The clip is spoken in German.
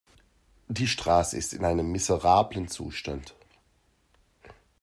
Die Straße ist in einem miserablen Zustand.